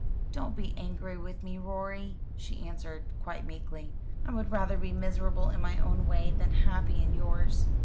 "Don't be angry with me, Rorie," she answered quite meekly. "I would rather be miserable in my own way than happy in yours."